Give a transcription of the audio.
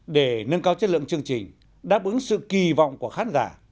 để nâng cao chất lượng chương trình đáp ứng sự kỳ vọng của khán giả